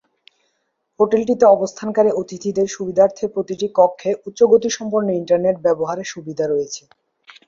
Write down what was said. হোটেলটিতে অবস্থানকারী অতিথিদের সুবিধার্থে প্রতিটি কক্ষে উচ্চ গতিসম্পন্ন ইন্টারনেট ব্যবহারের সুবিধা রয়েছে।